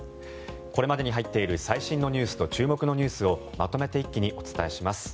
これまでに入っている最新ニュースと注目ニュースをまとめて一気にお伝えします。